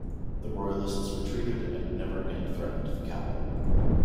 The royalists retreated and never again threatened the capital.